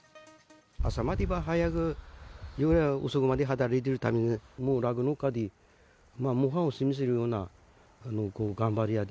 朝は早く、夜は遅くまで働いている感じ、もう酪農家で、模範を示せるような頑張り屋で。